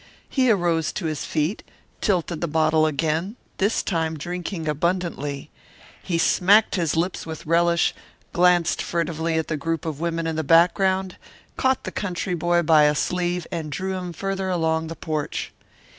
He arose to his feet, tilted the bottle again, this time drinking abundantly. He smacked his lips with relish, glanced furtively at the group of women in the background, caught the country boy by a sleeve and drew him farther along the porch.